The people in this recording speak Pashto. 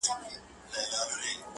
که غزلي د شېراز لال و مرجان دي-